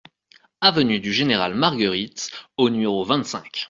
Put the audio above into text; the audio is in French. Avenue du Général Margueritte au numéro vingt-cinq